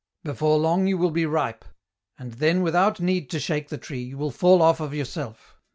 " Before long you will be ripe, and then without need to shake the tree you will fall off of yourself.